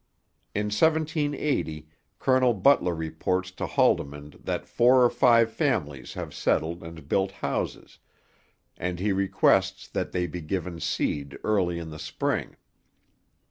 In 1780 Colonel Butler reports to Haldimand that four or five families have settled and built houses, and he requests that they be given seed early in the spring.